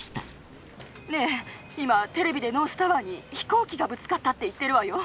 ねえ今テレビでノースタワーに飛行機がぶつかったって言ってるわよ。